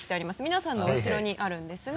皆さんの後ろにあるんですが。